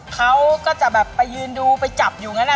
เขาก็จะแบบไปยืนดูไปจับอยู่งั้น